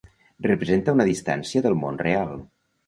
Representa una distància del món real.